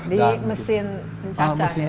di mesin cacah ya